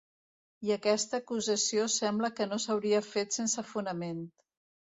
I aquesta acusació sembla que no s'hauria fet sense fonament.